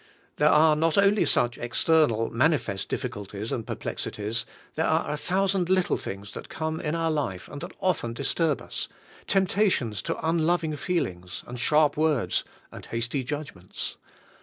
There are not only such external, manifest difficulties and perplexities, there are a thousand little things that come in our life and that often disturb us, temptations to unloving feelings, and sharp words, and hasty judgments.